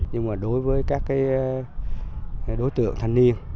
nhưng mà đối với các đối tượng thanh niên